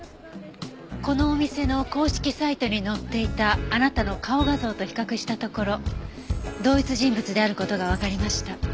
このお店の公式サイトに載っていたあなたの顔画像と比較したところ同一人物である事がわかりました。